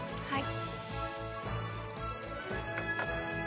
はい。